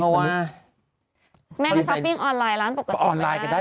เพราะว่าแม่เขาช้อปปิ้งออนไลน์ร้านปกติก็ได้